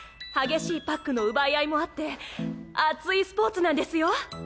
激しいパックの奪い合いもあって熱いスポーツなんですよ。